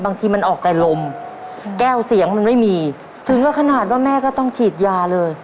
บางทีมันออกแต่ลมแก้วเสียงมันไม่มีถึงก็ขนาดว่าแม่ก็ต้องฉีดยาเลย